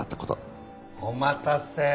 お待たせ！